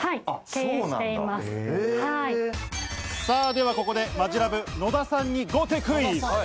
それではここでマヂラブ野田さんに豪邸クイズ！